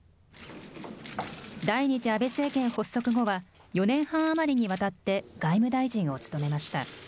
第２次安倍政権発足後は、４年半余りにわたって、外務大臣を務めました。